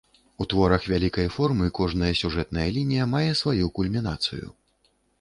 У творах вялікай формы кожная сюжэтная лінія мае сваю кульмінацыю.